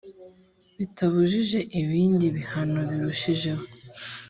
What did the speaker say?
bitabujije ibindi bihano birushijeho